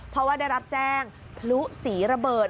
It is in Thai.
เพราะว่าได้รับแจ้งพลุสีระเบิด